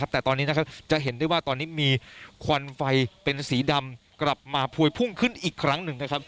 แต่ตอนนี้จะเห็นได้ว่าตอนนี้มีควันไฟเป็นสีดำกลับมาพวยพุ่งขึ้นอีกครั้งหนึ่ง